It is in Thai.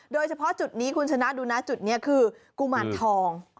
โดยเฉพาะจุดนี้คุณชนะดูนะจุดนี้คือกุมารทอง